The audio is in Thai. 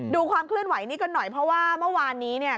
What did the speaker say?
ความเคลื่อนไหวนี้กันหน่อยเพราะว่าเมื่อวานนี้เนี่ย